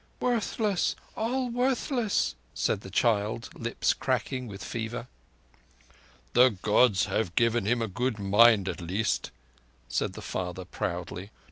"All worthless—all worthless," said the child, lips cracking with fever. "The Gods have given him a good mind, at least" said the father proudly.